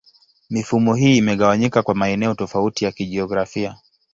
Mifumo hii imegawanyika kwa maeneo tofauti ya kijiografia.